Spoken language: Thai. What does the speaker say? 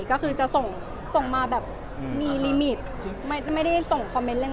ก็คือจะส่งส่งมาแบบมีลิมิตไม่ได้ส่งคอมเมนต์เรื่อง